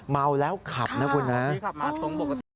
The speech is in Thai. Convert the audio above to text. เมาแล้วขับนะคุณนะ